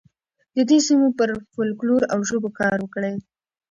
د دې سیمې پر فولکلور او ژبو کار وکړئ.